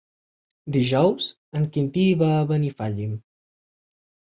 Dijous en Quintí va a Benifallim.